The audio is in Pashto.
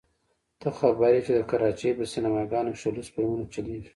ته خبر يې چې د کراچۍ په سينما ګانو کښې لوڅ فلمونه چلېږي.